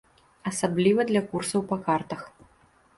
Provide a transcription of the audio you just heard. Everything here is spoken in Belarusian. Асабліва для курсаў па картах.